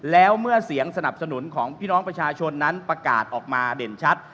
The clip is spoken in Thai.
แล้วเมื่อเสียงสนับสนุนของพี่น้องประชาชนนั้นประกาศออกมาเด่นชัด